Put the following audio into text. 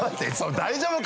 大丈夫か？